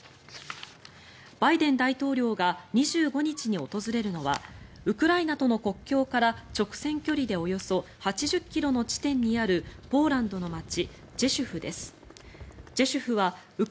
バイデン大統領が２５日に訪れるのはウクライナとの国境から直線距離でおよそ８０ｋｍの地点にあるポーランドの街ジェシュフです。